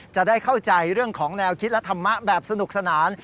จะได้เข้าใจเรื่องของแนวคิดและธรรมะแบบสนุกสนาน